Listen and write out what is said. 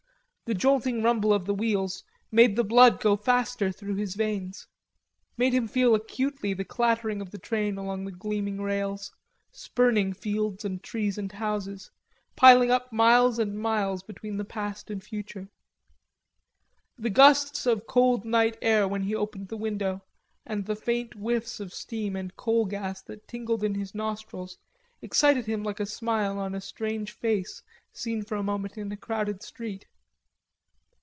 The jolting rumble of the wheels made the blood go faster through his veins; made him feel acutely the clattering of the train along the gleaming rails, spurning fields and trees and houses, piling up miles and miles between the past and future. The gusts of cold night air when he opened the window and the faint whiffs of steam and coal gas that tingled in his nostrils excited him like a smile on a strange face seen for a moment in a crowded street.